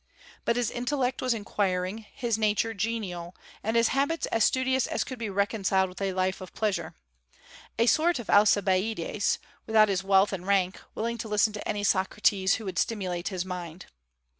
But his intellect was inquiring, his nature genial, and his habits as studious as could be reconciled with a life of pleasure, a sort of Alcibiades, without his wealth and rank, willing to listen to any Socrates who would stimulate his mind.